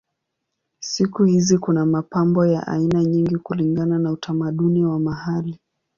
Siku hizi kuna mapambo ya aina nyingi kulingana na utamaduni wa mahali.